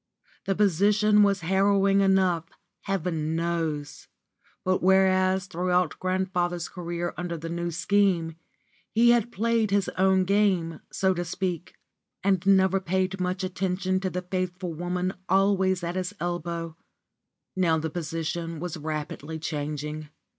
The position was harrowing enough, heaven knows, but whereas throughout grandfather's career under the New Scheme, he had played his own game, so to speak, and never paid much attention to the faithful woman always at his elbow, now the position was rapidly changing.